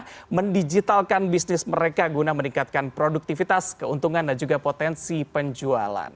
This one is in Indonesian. karena mendigitalkan bisnis mereka guna meningkatkan produktivitas keuntungan dan juga potensi penjualan